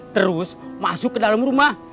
terus masuk ke dalam rumah